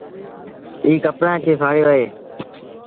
ايٚ ڪپڙآن کي ڦآڙيو آئي۔